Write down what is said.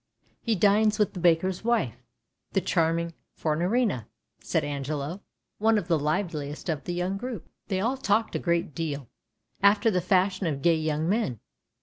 " He dines with the baker's wife, the charming Fornarina," said Angelo, one of the liveliest of the young group. They all talked a great deal, after the fashion of gay young men.